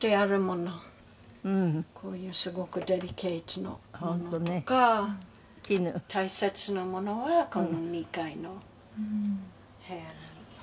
「こういうすごくデリケートなものとか大切なものはこの２階の部屋に」